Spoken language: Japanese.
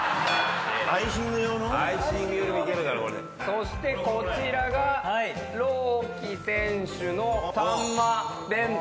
そしてこちらが朗希選手のサンマ弁当。